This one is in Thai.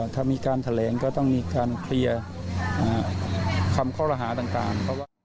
ถ้ามีการแถลงก็ต้องมีการเคลียร์คำข้อละหาต่าง